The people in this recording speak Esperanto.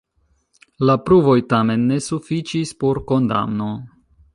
La pruvoj tamen ne sufiĉis por kondamno.